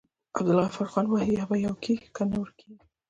عبدالغفارخان وايي: یا به يو کيږي که نه ورکيږی.